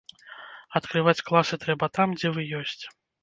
Адкрываць класы трэба там, дзе вы ёсць.